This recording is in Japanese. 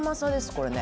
これね。